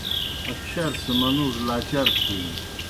اکشِیار سہ منُوڙوْ لاچار تِھینیْ۔